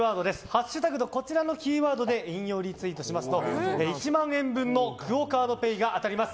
ハッシュタグとこちらのキーワードでリツイートしますと１万円分のＱＵＯカードＰａｙが当たります。